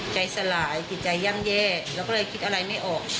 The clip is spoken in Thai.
ใจสลายใจย่างเย็ดแล้วก็เลยคิดอะไรไม่ออก